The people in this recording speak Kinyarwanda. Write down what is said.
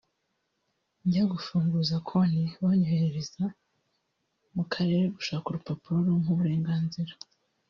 njya gufunguza konti banyohereza mu karere gushaka urupapuro rumpa uburenganzira